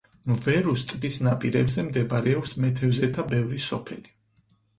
მვერუს ტბის ნაპირებზე მდებარეობს მეთევზეთა ბევრი სოფელი.